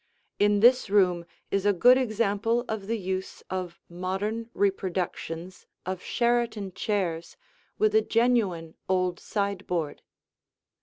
In this room is a good example of the use of modern reproductions of Sheraton chairs with a genuine old sideboard.